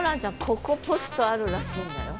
ここポストあるらしいんだよ。